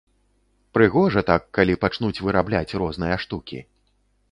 Прыгожа так, калі пачнуць вырабляць розныя штукі.